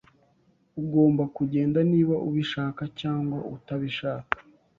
Ugomba kugenda niba ubishaka cyangwa utabishaka.